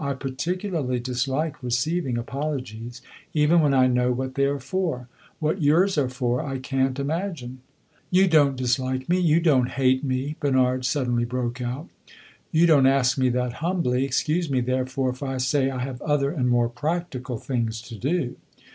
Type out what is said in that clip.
"I particularly dislike receiving apologies, even when I know what they are for. What yours are for, I can't imagine." "You don't dislike me you don't hate me?" Bernard suddenly broke out. "You don't ask me that humbly. Excuse me therefore if I say I have other, and more practical, things to do."